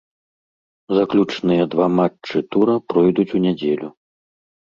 Заключныя два матчы тура пройдуць у нядзелю.